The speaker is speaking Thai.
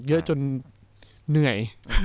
เยอะจนเหนื่อย